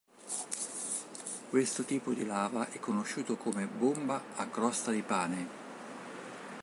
Questo tipo di lava è conosciuto come bomba a crosta di pane.